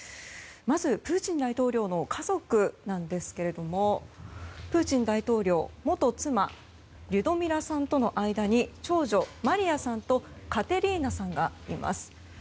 まず、プーチン大統領の家族なんですけれどもプーチン大統領元妻リュドミラさんとの間に長女マリヤさんとカテリーナさんがいます。